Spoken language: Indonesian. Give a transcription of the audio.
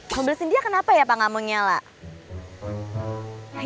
mau belesin dia kenapa ya pak ngamonnya lah